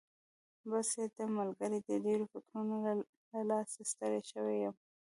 بس یې ده ملګري، د ډېرو فکرونو له لاسه ستړی شوی یم.